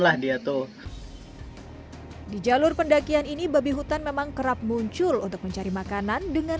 lah dia tuh di jalur pendakian ini babi hutan memang kerap muncul untuk mencari makanan dengan